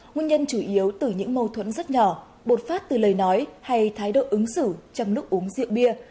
nguyên nhân chủ yếu từ những mâu thuẫn rất nhỏ bột phát từ lời nói hay thái độ ứng xử trong lúc uống rượu bia